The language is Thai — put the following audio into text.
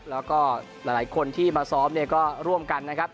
แล้วก็หลายคนที่มาซ้อมก็ร่วมกัน